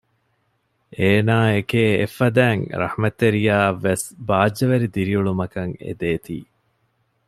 އޭނާއެކޭ އެއްފަދައިން ރަޙްމަތްތެރިޔާއަށްވެސް ބާއްޖަވެރި ދިރިއުޅުމަކަށް އެދޭތީ